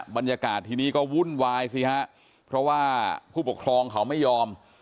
บรรยากาศทีนี้ก็วุ่นวายสิฮะเพราะว่าผู้ปกครองเขาไม่ยอม